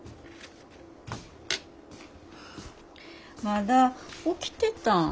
まだ起きてたん？